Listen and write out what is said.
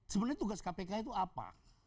sebenarnya tugas kpk itu apa